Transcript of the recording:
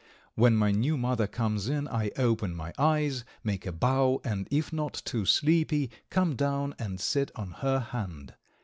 When my new mother comes in I open my eyes, make a bow, and, if not too sleepy, come down and sit on her hand.